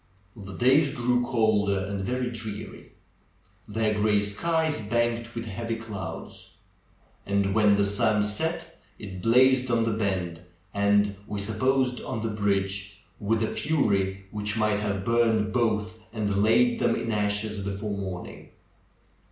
The days grew colder and very dreary; their gray skies banked with heavy clouds. And when the sun set it blazed on the bend and, we supposed, on the bridge, with a fury which might have burned both and laid them in ashes before morning.